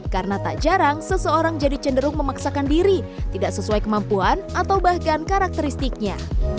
karena tak jarang seseorang jadi cenderung memaksakan diri tidak sesuai kemampuan atau bahkan karakteristiknya